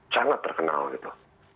sangat terkenal gitu